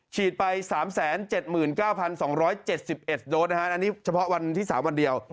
ฉีดไป๓๗๙๒๗๑โดสนะฮะอันนี้เฉพาะวันที่๓วันเดียว